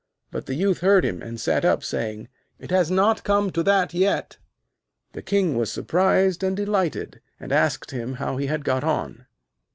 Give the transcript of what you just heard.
But the Youth heard him, and sat up, saying: 'It has not come to that yet.' The King was surprised and delighted, and asked him how he had got on.